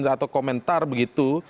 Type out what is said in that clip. atau komentar begitu